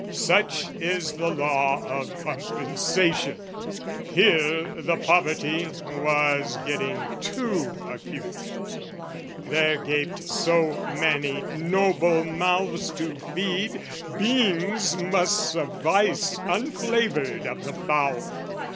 Such is the law of compensation. Here The poverty was getting too acute; There gaped so many noble mouths to feed, Beans must suffice unflavoured of the fowl.